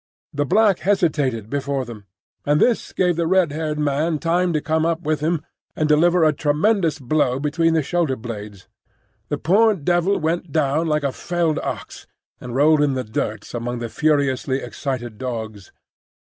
The black hesitated before them, and this gave the red haired man time to come up with him and deliver a tremendous blow between the shoulder blades. The poor devil went down like a felled ox, and rolled in the dirt among the furiously excited dogs.